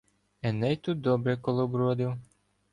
Еней тут добре колобродив